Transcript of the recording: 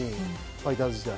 ファイターズ時代。